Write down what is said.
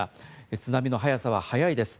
津波の速さは速いです。